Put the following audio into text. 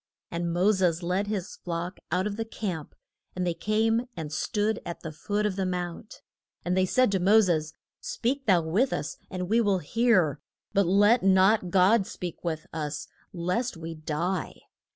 And Mo ses led his flock out of the camp, and they came and stood at the foot of the mount. And they said to Mo ses, Speak thou with us, and we will hear; but let not God speak with us lest we die.